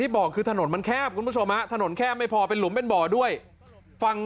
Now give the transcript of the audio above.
ที่บอกคือถนนมันแคบถนนแคบไม่พอเป็นหลุมเป็นบ่อด้วยฟัง